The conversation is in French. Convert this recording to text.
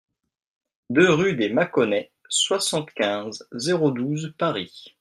deux rUE DES MACONNAIS, soixante-quinze, zéro douze, Paris